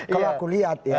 kalau aku lihat ya